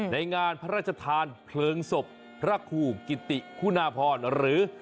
ในงานพระราชทานเพลิงศพพระครูกิติคุณาพรหรือ